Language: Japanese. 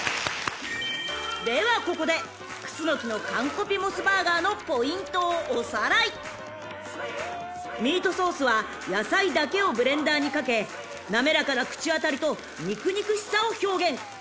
ではここで楠のカンコピモスバーガーのポイントをおさらい］［ミートソースは野菜だけをブレンダーにかけ滑らかな口当たりと肉肉しさを表現］